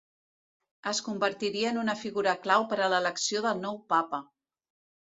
Es convertiria en una figura clau per a l'elecció del nou Papa.